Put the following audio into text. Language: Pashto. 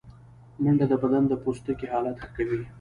منډه د بدن د پوستکي حالت ښه کوي